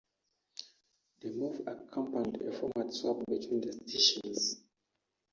The move accompanied a format swap between the stations.